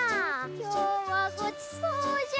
きょうはごちそうじゃ！